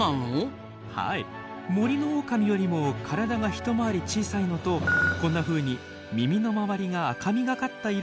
森のオオカミよりも体が一回り小さいのとこんなふうに耳の周りが赤みがかった色をしているものが多いんです。